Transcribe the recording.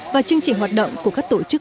và chương trình hoạt động của các tổ chức